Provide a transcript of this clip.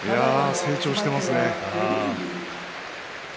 成長していますね。